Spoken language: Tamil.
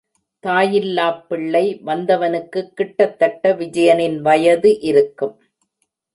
தாயில்லாப் பிள்ளை வந்தவனுக்கு கிட்டத்தட்ட விஜயனின் வயது இருக்கும்.